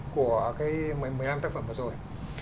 của cái một mươi năm tác phẩm vừa rồi